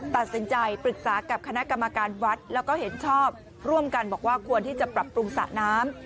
ตัดสินใจปรึกษากับคณะกรรมการวัดแล้วก็เห็นชอบร่วมกันบอกว่าควรที่จะปรับปรุงสระน้ำ